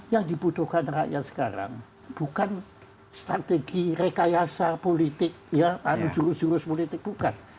yang dibutuhkan rakyat sekarang bukan strategi rekayasa politik ya atau jurus jurus politik bukan